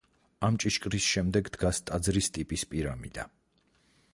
ამ ჭიშკრის შემდეგ დგას ტაძრის ტიპის პირამიდა.